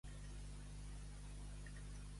El primer i principal, anar a missa i esmorzar.